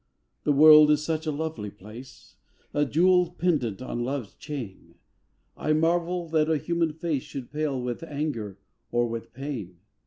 The world is such a lovely place A jewelled pendant on Love's chain! I marvel that a human face Should pale with anger or with pain.